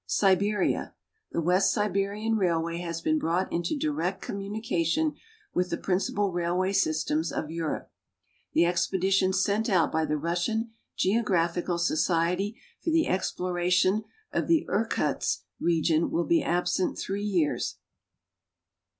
Siberia. The AVest Siberian Eailway has been brought into direct communication with the principal railway systems of Europe. The expedition sent out by the Russian Geographical Society for the exploration of the Irkutsk region will be absent three years.